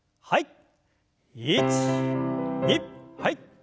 はい。